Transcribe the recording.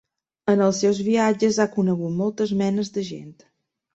En els seus viatges ha conegut moltes menes de gent.